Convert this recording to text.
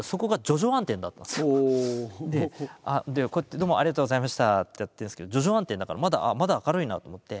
「どうもありがとうございました」ってやってるんですけど徐々暗転だからまだ明るいなと思って。